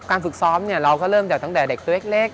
ฝึกซ้อมเราก็เริ่มจากตั้งแต่เด็กตัวเล็ก